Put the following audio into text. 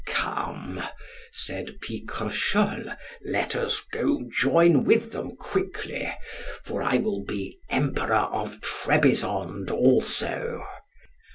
Come, said Picrochole, let us go join with them quickly, for I will be Emperor of Trebizond also.